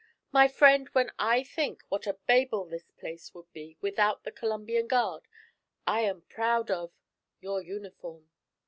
My friend, when I think what a Babel this place would be without the Columbian Guard, I am proud of your uniform.'